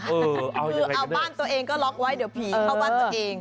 คือเอาบ้านตัวเองก็ล็อกไว้เดี๋ยวผีเข้าบ้านตัวเอง